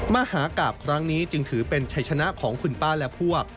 มหากราบครั้งนี้จึงถือเป็นชัยชนะของคุณป้าและพวก